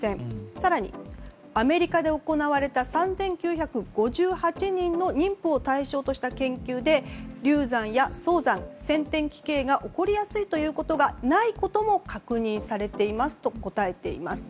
更にアメリカで行われた３９５８人の妊婦を対象とした研究で流産や早産、先天奇形が起こりやすいということがないことも確認されていますと答えています。